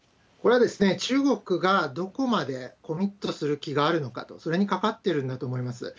これはですね、中国がどこまでコミットする気があるのかと、それにかかってるんだと思います。